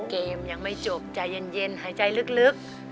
เกมยังไม่จบใจเย็นหายใจลึก